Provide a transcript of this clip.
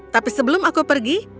tapi sebelum aku pergi